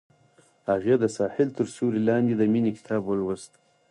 هغې د ساحل تر سیوري لاندې د مینې کتاب ولوست.